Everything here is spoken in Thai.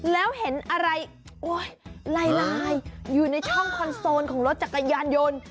แล้วเห็นอะไรลายอยู่ในช่องคอนโซลของรถจักรยานยนต์